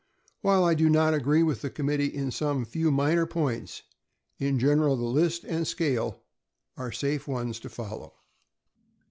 While I do not agree with the committee in some few minor points, in general the list and scale are safe ones to follow.